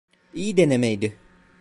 İyi denemeydi.